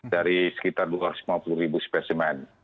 dari sekitar dua ratus lima puluh ribu spesimen